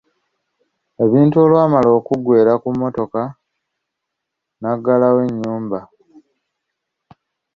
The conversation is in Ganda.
Ebintu olwamala okuggweera ku mmotoka n'agalawo ennyumba.